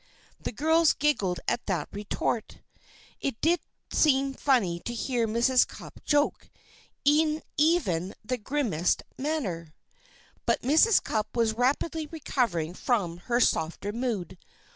The girls giggled at that retort. It did seem funny to hear Mrs. Cupp joke, in even the grimmest manner. But Mrs. Cupp was rapidly recovering from her softer mood.